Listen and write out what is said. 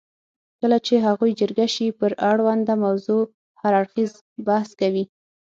کله چې هغوی جرګه شي پر اړونده موضوع هر اړخیز بحث کوي.